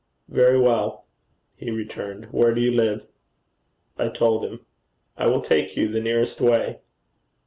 'Very well,' he returned. 'Where do you live?' I told him. 'I will take you the nearest way.'